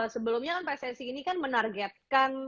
sebelumnya kan pssi ini kan menargetkan